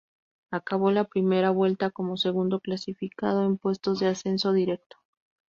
Acabó la primera vuelta como segundo clasificado, en puestos de ascenso directo.